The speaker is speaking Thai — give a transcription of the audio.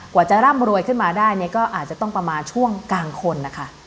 กว่าจะร่ำรวยขึ้นมาได้เนี่ยก็อาจจะต้องประมาณช่วงกลางคนนะคะ